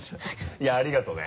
いやありがとね。